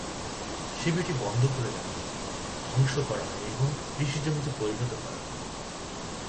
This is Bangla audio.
শিবিরটি বন্ধ করে দেওয়া হয়, ধ্বংস করা হয় এবং কৃষিজমিতে পরিণত করা হয়।